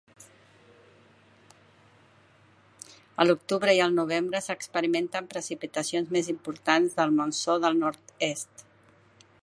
A l'octubre i el novembre s'experimenten precipitacions més importants del monsó del nord-est.